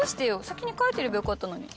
先に帰ってればよかったのに。